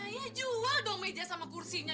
ayo jual dong meja sama kursinya